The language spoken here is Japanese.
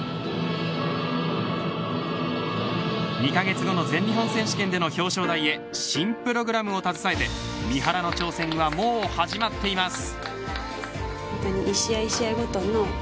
２カ月後の全日本選手権での表彰台へ新プログラムを携えて三原の挑戦はもう始まっています。